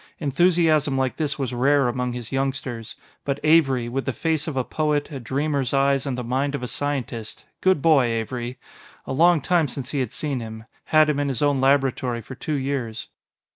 Enthusiasm like this was rare among his youngsters. But Avery with the face of a poet, a dreamer's eyes and the mind of a scientist good boy, Avery! a long time since he had seen him had him in his own laboratory for two years....